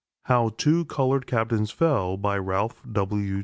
HOW TWO COLORED CAPTAINS FELL RALPH W.